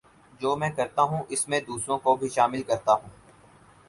جو میں کرتا ہوں اس میں دوسروں کو بھی شامل کرتا ہوں